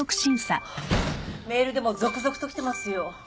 メールでも続々と来てますよ。